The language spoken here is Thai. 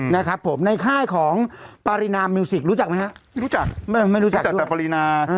นะครับผมในค่ายของปรินามิวสิทธิ์รู้จักไหมเหาะไม่รู้จักแต่ปรินา